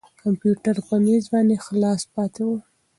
کمپیوټر په مېز باندې خلاص پاتې و.